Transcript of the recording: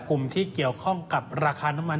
กลุ่มที่เกี่ยวข้องกับราคาน้ำมัน